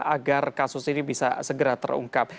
agar kasus ini bisa segera terungkap